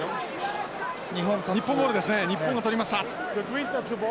日本ボールですね日本がとりました。